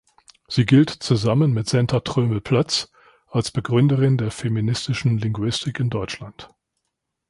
Sie gilt zusammen mit Senta Trömel-Plötz als Begründerin der feministischen Linguistik in Deutschland.